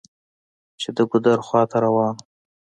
چې د ګودر خواته روان و.